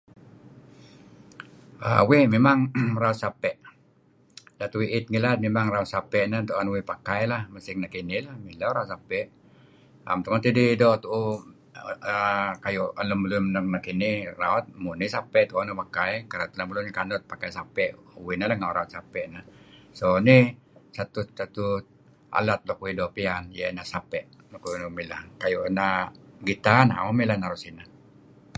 Uih mimang meraut uhm Sape'. Katu uih iit ilad mimang uih raut Sape' nah. Nah tuen uih pakai lah masing nekinih. Mileh uih raut Sape'. Naem tungeh tidih uhm doo' tuuh kayu' lemulun nuk raut kinih, munih teh Sape' tuen uih pakai kareb teh lemulun kanut pakai Sape' uih nah meraut Sape' nah. Nih satu-satu alat nuk uih doo' piyan raut Sape' kayu' lun nuk milah. Kayu' na' guitar nah naem uih mileh naru' sinah.